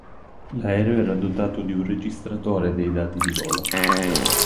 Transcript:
L'aereo era dotato di un registratore dei dati di volo.